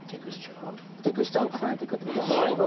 テクスチャーを重ねていくって事なんですけど。